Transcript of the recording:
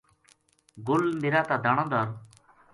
گل میرا تا دانا دھر